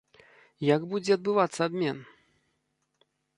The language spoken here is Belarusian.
Як будзе адбывацца абмен?